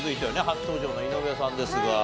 初登場の井上さんですが。